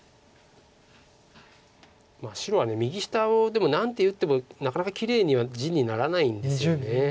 白は右下をでも何手打ってもなかなかきれいには地にならないんですよね。